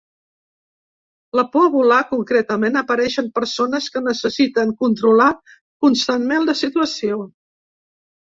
La por a volar, concretament, apareix en persones que necessiten controlar constantment la situació.